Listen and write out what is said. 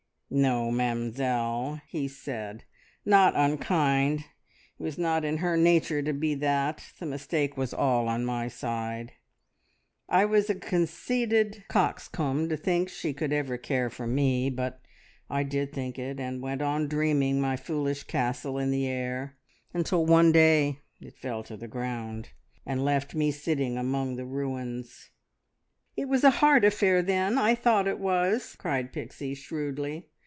"No, Mademoiselle," he said, "not unkind; it was not in her nature to be that. The mistake was all on my side. I was a conceited coxcomb to think that she could ever care for me; but I did think it, and went on dreaming my foolish castle in the air, until one day it fell to the ground, and left me sitting among the ruins." "It was a heart affair, then! I thought it was," cried Pixie shrewdly.